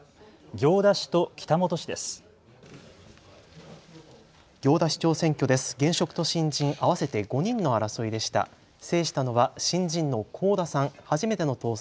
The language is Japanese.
行田市と北本市です。